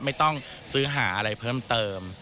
ไม่ต้องซื้อหาอะไรเพิ่มเติม